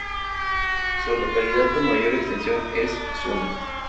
Su localidad con mayor extensión es Osuna.